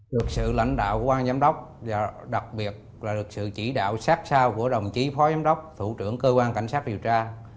được sự lãnh đạo của ban giám đốc và đặc biệt là được sự chỉ đạo sát sao của đồng chí phó giám đốc thủ trưởng cơ quan cảnh sát điều tra